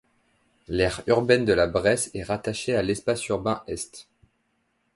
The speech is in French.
L'aire urbaine de La Bresse est rattachée à l'espace urbain Est.